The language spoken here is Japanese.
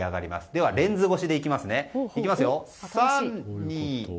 では、レンズ越しでいきますね。